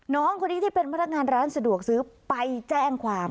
น้องคนนี้ที่เป็นพนักงานร้านสะดวกซื้อไปแจ้งความ